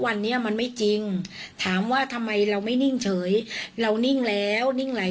อันนี้ผมอันนี้ผมอันมาสมมุติว่าเรนนี่เข้าไปแล้วเนาะ